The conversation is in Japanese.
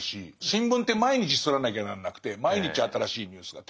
新聞って毎日刷らなきゃなんなくて毎日新しいニュースが。